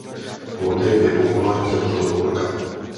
Plodem je bobule nebo tobolka.